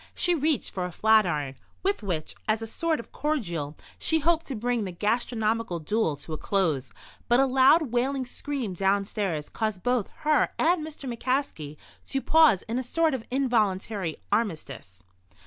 She reached for a flatiron, with which, as a sort of cordial, she hoped to bring the gastronomical duel to a close. But a loud, wailing scream downstairs caused both her and Mr. McCaskey to pause in a sort of involuntary armistice.